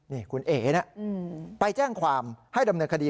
นี่คุณเอ๋นะไปแจ้งความให้ดำเนินคดี